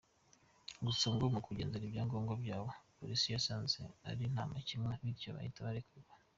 Gusa ngo mu kugenzura ibyangombwa byabo, polisi yasanze ari nta makemwa bityo bahita barekurwa.